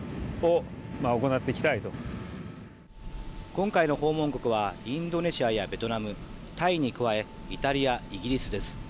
今回の訪問国やインドネシアやベトナム、タイに加えてイタリア、イギリスです。